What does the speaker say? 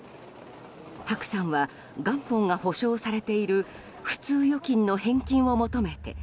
ハクさんは元本が保証されている普通預金の返金を求めて